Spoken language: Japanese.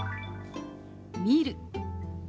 「見る」。